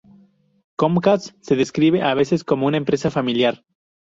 Comcast se describe a veces como una empresa familiar.